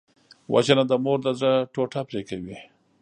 وژنه د مور د زړه ټوټه پرې کوي